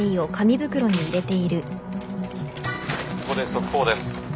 ここで速報です。